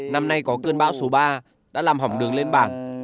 năm nay có cơn bão số ba đã làm hỏng đường lên bảng